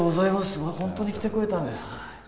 うわぁ、本当に来てくれたんですか。